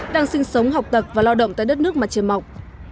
đang sinh sống học tập và lo động tại đất nước mặt trên mọc